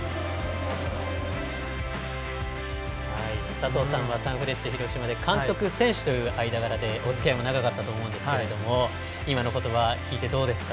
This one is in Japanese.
佐藤さんはサンフレッチェ広島で監督、選手という間柄でおつきあいも長かったと思いますけれども今の言葉聞いて、どうですか。